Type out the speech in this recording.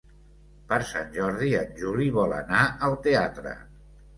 Per Sant Jordi en Juli vol anar al teatre.